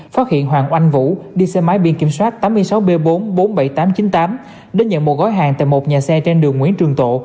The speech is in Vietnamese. phát hiện hoàng oanh vũ đi xe máy biển kiểm soát tám mươi sáu b bốn bốn mươi bảy nghìn tám trăm chín mươi tám đến nhận một gói hàng tại một nhà xe trên đường nguyễn trường tộ